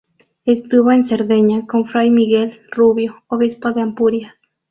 Estuvo en Cerdeña con fray Miguel Rubio, obispo de Ampurias.